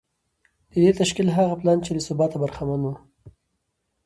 د دې تشکیل هغه پلان چې له ثباته برخمن و